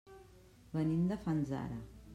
Venim de Fanzara.